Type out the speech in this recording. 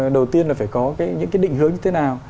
đầu tiên là phải có những cái định hướng như thế nào